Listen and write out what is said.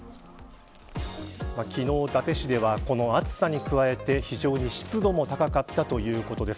昨日、伊達市ではこの暑さに加えて非常に湿度も高かったということです。